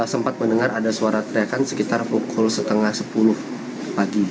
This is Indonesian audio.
sempat mendengar ada suara teriakan sekitar pukul setengah sepuluh pagi